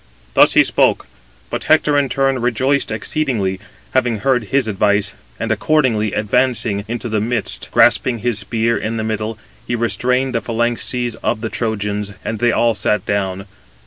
Thus he spoke. But Hector in turn rejoiced exceedingly, having heard his advice, and accordingly advancing into the midst, grasping his spear in the middle, he restrained the phalanxes of the Trojans; and they all sat down.